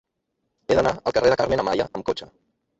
He d'anar al carrer de Carmen Amaya amb cotxe.